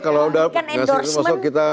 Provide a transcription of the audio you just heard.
kalau udah gak serius masuk kita